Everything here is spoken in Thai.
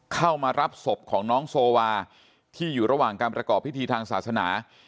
เข้ามารับศพของน้องโซวาที่อยู่ระหว่างการประกอบพิธีทางศาสนา